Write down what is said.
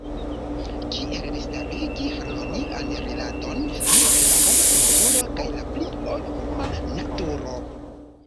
Kiel restarigi harmonian rilaton inter la homa kulturo kaj la pli-ol-homa naturo?